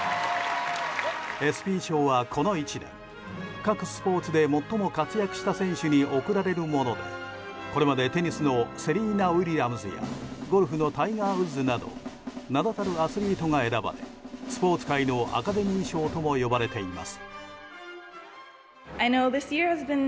ＥＳＰＹ賞は、この１年で各スポーツで最も活躍した選手に贈られるもので、これまでテニスのセリーナ・ウィリアムズやゴルフのタイガー・ウッズなど名だたるアスリートが選ばれスポーツ界のアカデミー賞とも呼ばれています。